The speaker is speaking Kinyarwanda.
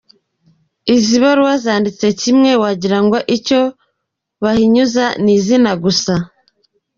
Izi baruwa zanditswe kimwe wagirango icyo babinyuza ni izina gusa.